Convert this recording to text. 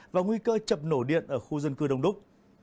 và nguy cơ chập nổ điện ở khu dân cư đông đúc